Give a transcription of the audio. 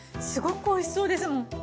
すごくおいしそうですもん。